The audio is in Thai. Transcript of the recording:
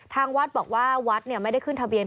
ทางวัดบอกว่าวัดไม่ได้ขึ้นทะเบียน